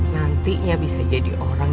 nantinya bisa jadi orang